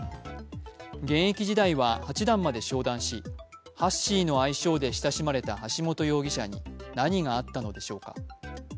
現役時代は八段まで昇段し、ハッシーの愛称で親しまれた橋本容疑者に何があったのでしょうか。